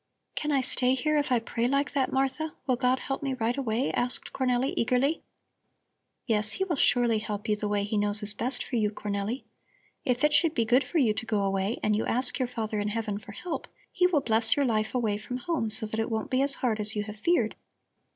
'" "Can I stay here if I pray like that, Martha? Will God help me right away?" asked Cornelli eagerly. "Yes, He will surely help you the way He knows is best for you, Cornelli. If it should be good for you to go away and you ask your Father in Heaven for help, He will bless your life away from home, so that it won't be as hard as you have feared.